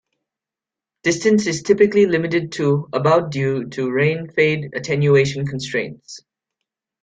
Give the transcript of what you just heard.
Distance is typically limited to about due to rain fade attenuation constraints.